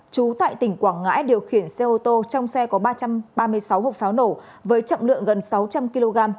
chú tại tỉnh quảng ngãi điều khiển xe ô tô trong xe có ba trăm ba mươi sáu hộp pháo nổ với chậm lượng gần sáu trăm linh kg